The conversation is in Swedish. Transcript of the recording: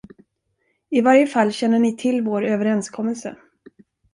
I varje fall känner ni till vår överenskommelse.